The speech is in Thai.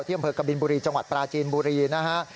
อำเภอกบินบุรีจังหวัดปราจีนบุรีนะฮะ